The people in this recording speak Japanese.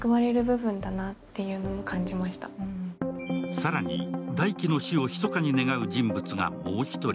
更に大樹の死をひそかに願う人物がもう１人。